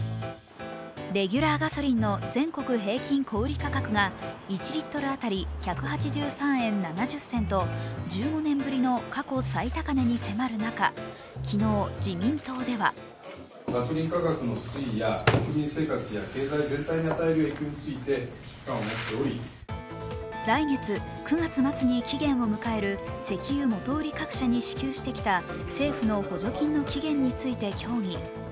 レギュラーガソリンの全国平均小売価格が１リットル当たり１８３円７０銭と１５年ぶりの過去最高値に迫る中、昨日、自民党では来月９月末に期限を迎える石油元売り各社に支給してきた政府の補助金の期限について協議。